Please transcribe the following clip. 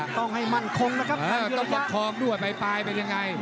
ต้องให้มั่นคงนะครับต้องประคองด้วยปลายเป็นยังไง